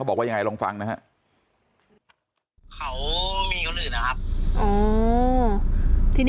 เขาบอกว่ายังไงลองฟังนะเขามีคนอื่นนะครับอ๋อที่นี่